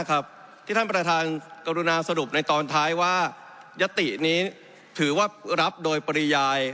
ที่ท่านประธานกรุณาสรุปในตอนท้ายว่ายตินี้ถือว่ารับโดยปริยาย